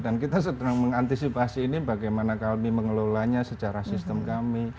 dan kita sedang mengantisipasi ini bagaimana kami mengelolanya secara sistem kami